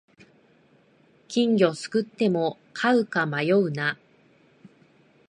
金魚すくっても飼うか迷うな